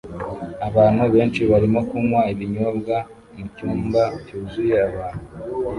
Abantu benshi barimo kunywa ibinyobwa mucyumba cyuzuye abantu